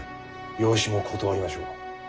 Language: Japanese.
養子も断りましょう。